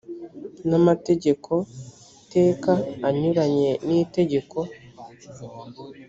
n amategeko teka anyuranye n itegeko